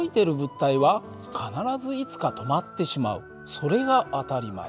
それが当たり前。